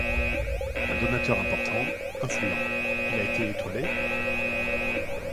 Un donateur important, influent. Il a été étoilé ?